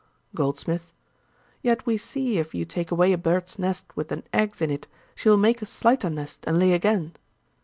GOLDSMITH. 'Yet we see if you take away a bird's nest with the eggs in it, she will make a slighter nest and lay again.'